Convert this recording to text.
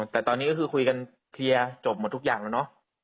แต่ตอนนี้ก็คือคุยกันเคลียร์จบหมดทุกอย่างแล้วเนอะ